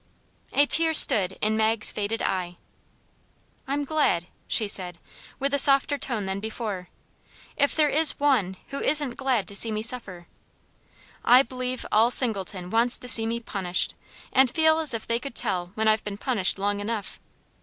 A tear stood in Mag's faded eye. "I'm glad," she said, with a softer tone than before, "if there is ONE who isn't glad to see me suffer. I b'lieve all Singleton wants to see me punished, and feel as if they could tell when I've been punished long enough.